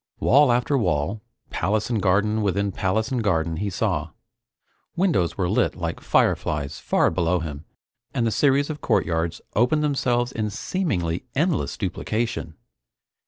Wall after wall, palace and garden within palace and garden, he saw. Windows were lit like fireflies far below him and the series of courtyards opened themselves in seemingly endless duplication.